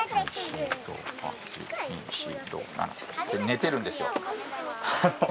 寝てるんですよ。